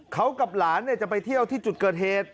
เขากับหลานจะไปเที่ยวที่จุดเกิดเหตุ